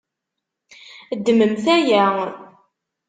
Ddmemt aya.